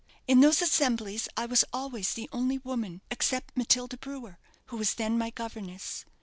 In those assemblies I was always the only woman, except Matilda Brewer, who was then my governess.